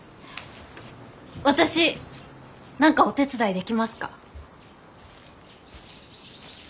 私何かお手伝いできますか？